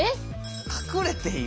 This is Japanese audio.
隠れている？